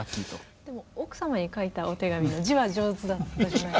でも奥様に書いたお手紙の字は上手だったんじゃないですか。